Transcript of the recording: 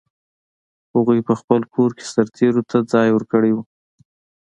هغوی په خپل کور کې سرتېرو ته ځای ورکړی و.